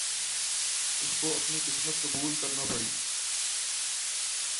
اس کو اپنی قسمت قبول کرنا پڑی۔